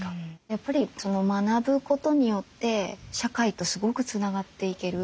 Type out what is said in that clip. やっぱり学ぶことによって社会とすごくつながっていける。